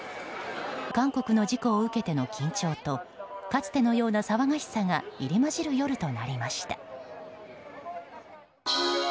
韓国の事故を受けての緊張とかつてのような騒がしさが入り混じる夜となりました。